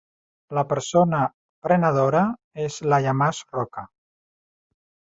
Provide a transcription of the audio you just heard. La persona prenedora és Laia Mas Roca.